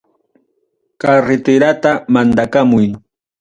Carreterata mandakamuy.